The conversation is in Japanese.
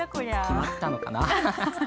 決まったのかな？